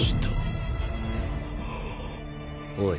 おい